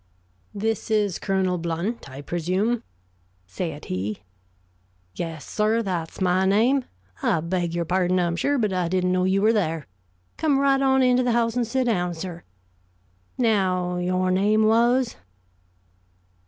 "This is Colonel Blount, I presume," said he. "Yes, sir, that's my name. I beg your pardon, I'm sure, but I didn't know you were there. Come right on into the house and sit down, sir. Now, your name was